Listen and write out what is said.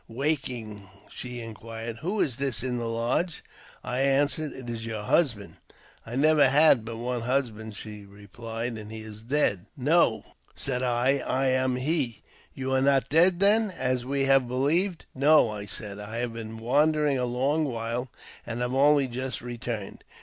Waking, she inquired, " Who is this in the lodge? " I answered, *' It is your husband," ; "I never had but one husband," she replied, " and he is dead." " No," said I, " I am he." •' You are not dead, then, as we have believed ?"" No," I said; '*I have been wandering a long while, and have only just returned."